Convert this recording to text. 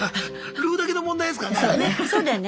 ルーだけの問題ですからねあれね。